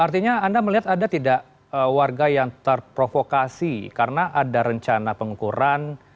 artinya anda melihat ada tidak warga yang terprovokasi karena ada rencana pengukuran